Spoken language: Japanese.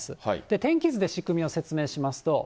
天気図で仕組みを説明しますと。